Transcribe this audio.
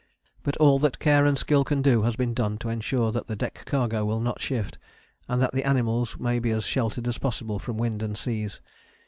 But all that care and skill can do has been done to ensure that the deck cargo will not shift, and that the animals may be as sheltered as possible from wind and seas.